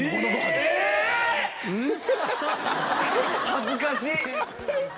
恥ずかしい！